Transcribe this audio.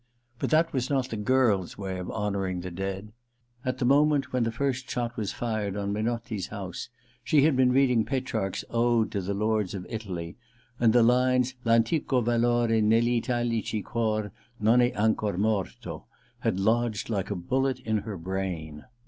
But that was not the girl's way of honouring the dead. At the moment when the first shot was fired on Menotti's house she had been reading Petrarch's Ode to the Lords of Italy, and the lines Pantico valor Ni PitaUci cor non e ancor morto had lodged like a bullet in her brain.